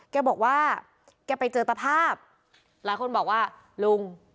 แกบอกว่าแกไปเจอตภาพหลายคนบอกว่าลุง